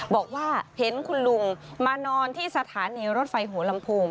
บอกว่าเห็นคุณลุงมานอนที่สถานีรถไฟหัวลำโพง